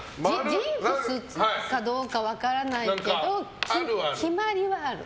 ジンクスかどうか分からないけど決まりはある。